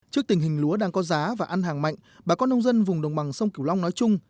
trước tình hình lúa đang có giá và ăn hàng mạnh bà con nông dân vùng đồng bằng sông cửu long nói chung